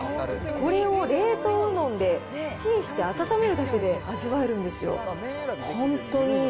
これを冷凍うどんでチンして温めるだけで味わえるんですよ。